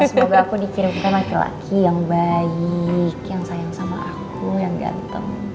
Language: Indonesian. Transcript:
semoga aku dikirimkan laki laki yang baik yang sayang sama aku yang ganteng